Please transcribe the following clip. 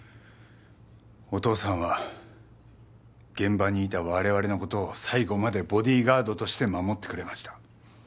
お父さんは現場にいた我々の事を最後までボディーガードとして護ってくれました。